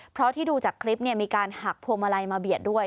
เพราะที่ดูจากคลิปมีการหักพวงมาลัยมาเบียดด้วย